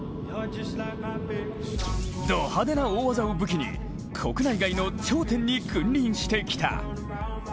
ド派手な大技を武器に国内外の頂点に君臨してきた。